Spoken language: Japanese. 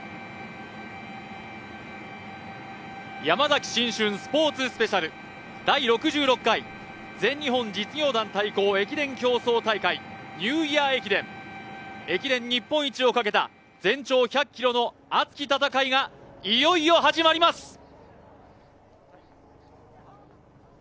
ヤマザキ新春スポーツスペシャル第６６回全日本実業団対抗駅伝競走大会駅伝日本一をかけた全長１００ｋｍの熱き戦いがいよいよ始まります。